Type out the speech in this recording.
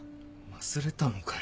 忘れたのかよ